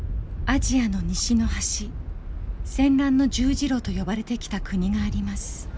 アジアの西の端戦乱の十字路と呼ばれてきた国があります。